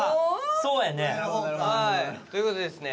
そうやね。という事でですね